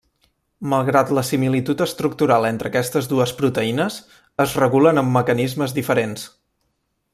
Malgrat la similitud estructural entre aquestes dues proteïnes, es regulen amb mecanismes diferents.